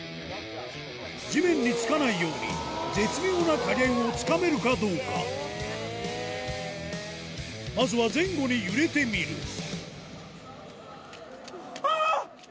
地面に着かないように絶妙な加減をつかめるかどうかまずは前後に揺れてみるあぁ！